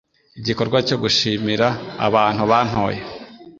igikorwa cyo gushimira abantu bantoye